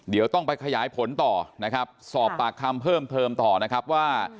เดี๋ยวต้องไปขยายผลต่อนะครับสอบปากคำเพิ่มเติมต่อนะครับว่า